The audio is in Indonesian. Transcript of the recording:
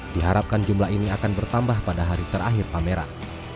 diharapkan jumlah ini akan bertambah pada hari terakhir pameran